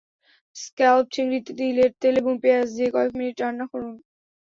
Scallop, চিংড়ি, তিলের তেল এবং পেঁয়াজ দিয়ে কয়েক মিনিট রান্না করুন।